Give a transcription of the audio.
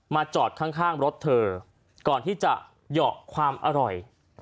จอดข้างรถเธอก่อนที่จะเหยาะความอร่อย